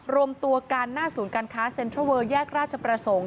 รวมตัวกันหน้าศูนย์การค้าเซ็นทรัลเวอร์แยกราชประสงค์